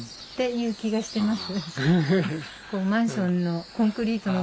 いう気がしてます。